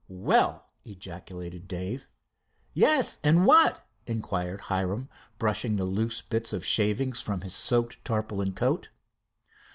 "Well!" ejaculated Dave. "Yes, and what?" inquired Hiram, brushing the loose bits of shavings from his soaked tarpaulin coat.